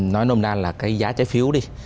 nói nôn na là cái giá trái phiếu đi